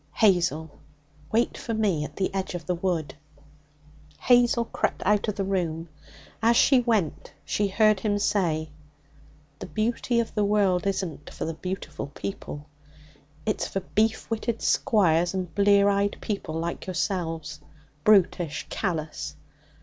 Hazel, wait for me at the edge of the wood.' Hazel crept out of the room. As she went, she heard him say: 'The beauty of the world isn't for the beautiful people. It's for beef witted squires and blear eyed people like yourselves brutish, callous.